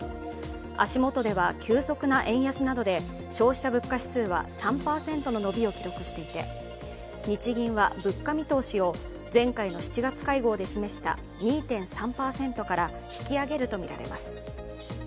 足元では急速な円安などで消費者物価指数は３％の伸びを記録していて日銀は物価見通しを前回の７月会合で示した２．３％から引き上げるとみられます